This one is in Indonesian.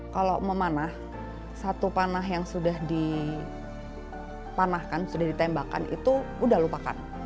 kalau memanah satu panah yang sudah dipanahkan sudah ditembakkan itu sudah lupakan